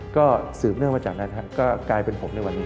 ก็สืบเนื่องมาจากนั้นก็กลายเป็นผมในวันนี้